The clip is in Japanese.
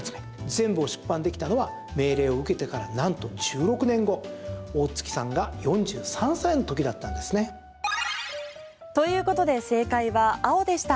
全部を出版できたのは命令を受けてからなんと１６年後大槻さんが４３歳の時だったんですね。ということで正解は青でした。